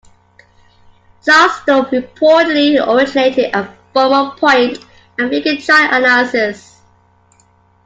Charles Dow reportedly originated a form of point and figure chart analysis.